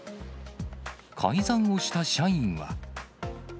改ざんをした社員は。